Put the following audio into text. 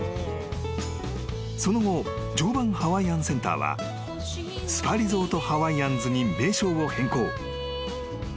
［その後常磐ハワイアンセンターはスパリゾートハワイアンズに名称を変更］